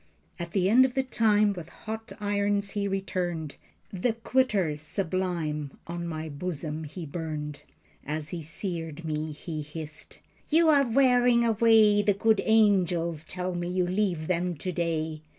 At the end of the time with hot irons he returned. "The Quitter Sublime" on my bosom he burned. As he seared me he hissed: "You are wearing away. The good angels tell me you leave them today.